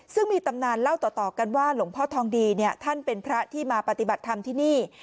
ซึ่งมีตำนานเล่าต่อกันว่าหลวงพ่อทองดีเนี่ยท่านเป็นพระที่มาปฏิบัติธรรมที่นี่